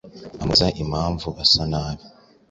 amubaza impamvu asa nabi